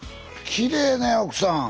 きれいね奥さん。